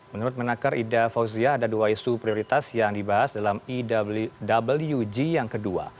menurut menakar ida fauzia ada dua isu prioritas yang dibahas dalam iwg yang kedua